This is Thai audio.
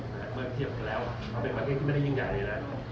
เมื่อเทียบกันแล้วมันเป็นประเทศที่ไม่ได้ยิ่งใหญ่เลยนะ